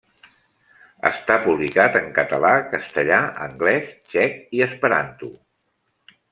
Està publicat en català, castellà, anglès, txec i esperanto.